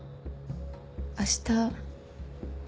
明日。